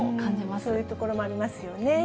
そういうところもありますよね。